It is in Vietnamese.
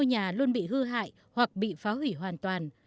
nhà luôn bị hư hại hoặc bị phá hủy hoàn toàn